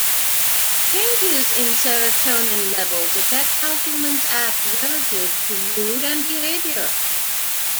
Changes in serotonin levels affect how humans act relative to mood and behavior.